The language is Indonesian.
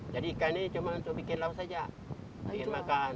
jadi ikan ini cuma untuk bikin laut saja bikin makan